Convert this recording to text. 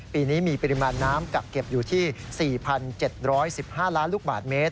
ปีนี้มีปริมาณน้ำกักเก็บอยู่ที่๔๗๑๕ล้านลูกบาทเมตร